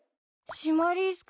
シマリス君？